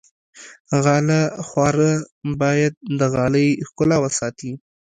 غاله خواره باید د غالۍ ښکلا وساتي.